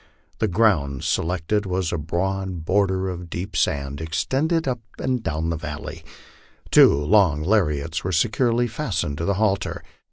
Tho ground selected was a broad border of deep sand, extending up and down the vallo}'. Two long lariats were securely fastened to the halter.